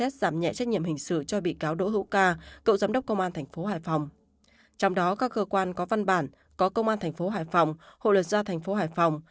trong đó các cơ quan có văn bản có công an thành phố hải phòng hội luật gia thành phố hải phòng